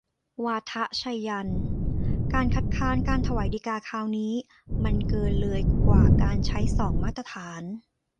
วาทะไชยันต์ : การคัดค้านการถวายฎีกาคราวนี้มันเกินเลยกว่าการใช้สองมาตรฐาน